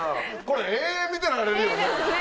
これ永遠見てられるよね？